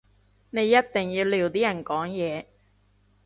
你一定要撩啲人講嘢